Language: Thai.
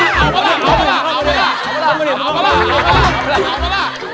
เอามา